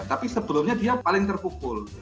tapi sebelumnya dia paling terpukul